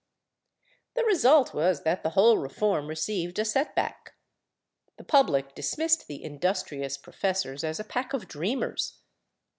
The result was that the whole reform received a set back: the public dismissed the industrious professors as a pack of dreamers.